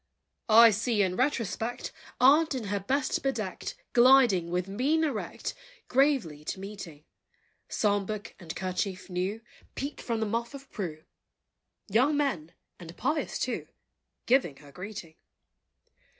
I see in retrospect Aunt, in her best bedecked, Gliding, with mien erect, Gravely to meeting: Psalm book, and kerchief new, Peeped from the Muff of Pru., Young men and pious, too Giving her greeting.